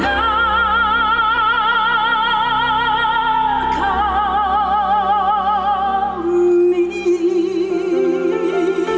pada munagri kami berjanji